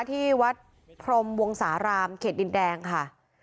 ที่วัดพรมวงสารามเขตดินแดงค่ะ